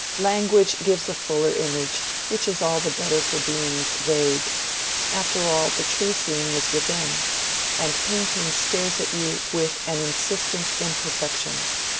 "Language gives a fuller image, which is all the better for being vague. After all, the true seeing is within; and painting stares at you with an insistent imperfection.